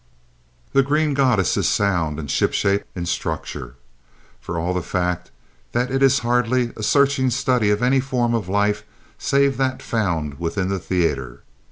The Green Goddess is sound and shipshape in structure, for all the fact that it is hardly a searching study of any form of life save that found within the theater.